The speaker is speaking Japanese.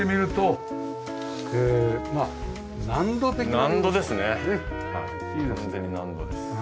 完全に納戸です。